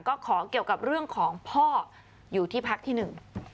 ก็ขอเกี่ยวกับเรื่องของพ่ออยู่ที่พักที่หนึ่ง